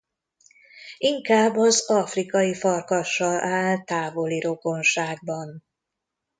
Inkább az afrikai farkassal áll távoli rokonságban.